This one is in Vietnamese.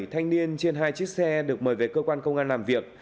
bảy thanh niên trên hai chiếc xe được mời về cơ quan công an làm việc